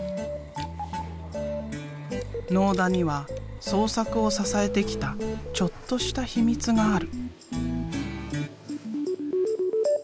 納田には創作を支えてきたちょっとしたヒミツがある。